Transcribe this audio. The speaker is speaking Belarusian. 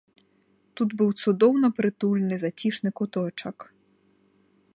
Тут быў цудоўна прытульны зацішны куточак.